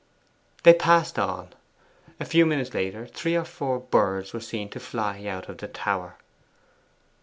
They passed on. A few minutes later three or four birds were seen to fly out of the tower.